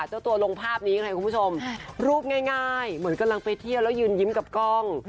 เจ้าตัวลงภาพนี้ไงคุณผู้ชมรูปง่ายเหมือนกำลังไปเที่ยวแล้วยืนยิ้มกับกล้อง